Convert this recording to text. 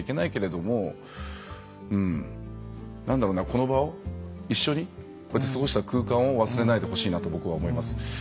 この場を一緒にこうやって過ごした空間を忘れないでほしいなと僕は思います。